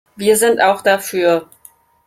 Wir sind auch dafür.